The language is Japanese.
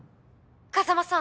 ⁉風真さん！